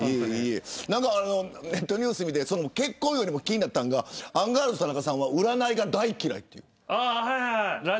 ネットニュースを見て結婚より気になったのがアンガールズ田中さんは占いが大嫌いって。